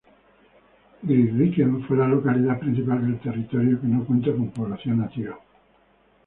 Grytviken fue la localidad principal del territorio que no cuenta con población nativa.